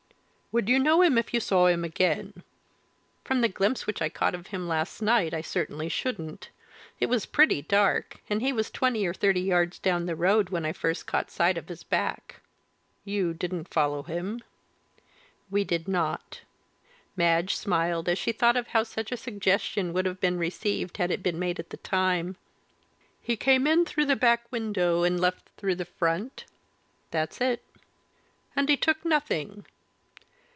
"Would you know him if you saw him again?" "From the glimpse which I caught of him last night I certainly shouldn't. It was pretty dark, and he was twenty or thirty yards down the road when I first caught sight of his back." "You didn't follow him?" "We did not." Madge smiled as she thought of how such a suggestion would have been received had it been made at the time. "He came in through the back window and left through the front?" "That's it." "And he took nothing?"